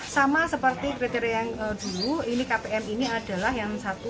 sama seperti kriteria yang dulu ini kpm ini adalah yang satu